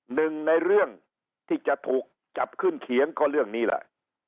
หนึ่งในเรื่องที่จะถูกจับขึ้นเขียงก็เรื่องนี้แหละ